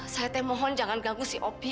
saya mohon jangan ganggu si opi